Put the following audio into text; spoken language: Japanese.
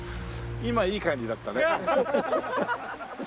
今いい感じだったね。